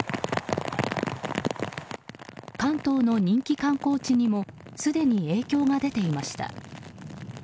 関東の人気観光地にもすでに影響が出ていました。